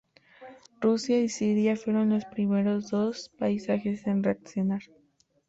Rusia y Siria fueron los primeros dos países en reaccionar.